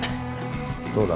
どうだ？